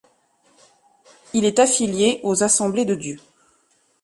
Il est affilié aux Assemblées de Dieu.